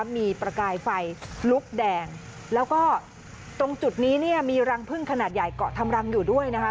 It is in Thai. มีประกายไฟลุกแดงแล้วก็ตรงจุดนี้เนี่ยมีรังพึ่งขนาดใหญ่เกาะทำรังอยู่ด้วยนะคะ